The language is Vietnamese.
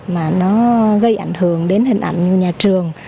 mà nó gây ảnh hưởng đến hình ảnh nhà trường